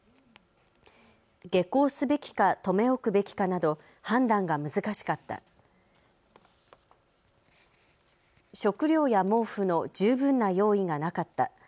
下校すべきか留め置くべきかなど判断が難しかった、食料や毛布の十分な用意がなかった。